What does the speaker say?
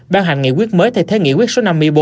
ban hành nghị quyết mới thay thế nghị quyết số năm mươi bốn